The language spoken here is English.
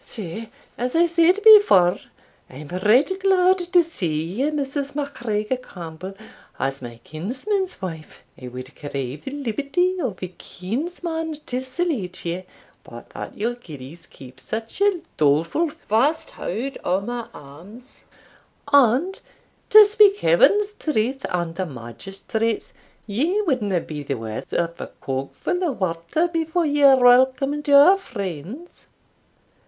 Sae, as I said before, I am right glad to see you, Mrs. MacGregor Campbell, as my kinsman's wife. I wad crave the liberty of a kinsman to salute you, but that your gillies keep such a dolefu' fast haud o' my arms, and, to speak Heaven's truth and a magistrate's, ye wadna be the waur of a cogfu' o' water before ye welcomed your friends."